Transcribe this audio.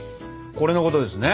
これのことですね？